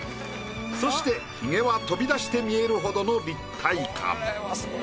そしてヒゲは飛び出して見えるほどの立体感。